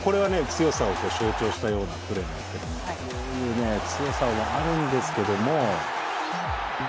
強さを象徴したようなプレーなんですけどもこういう強さもあるんですけども。